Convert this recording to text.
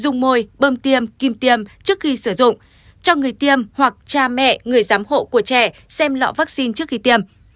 dung môi bơm tiêm kim tiêm trước khi sử dụng cho người tiêm hoặc cha mẹ người giám hộ của trẻ xem lọ vaccine trước khi tiêm